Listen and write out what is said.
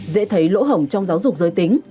dễ thấy lỗ hổng trong giáo dục giới tính